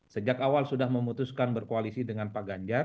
sejak awal sudah memutuskan berkoalisi dengan pak ganjar